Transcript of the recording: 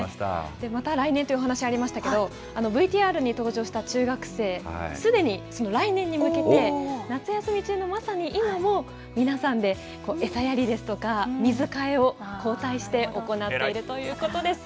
また来年というお話ありましたけれども、ＶＴＲに登場した中学生、すでにその来年に向けて、夏休み中のまさに今も、皆さんで餌やりですとか、水替えを交代して行っているということです。